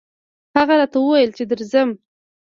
هغه راته وويل چې درځم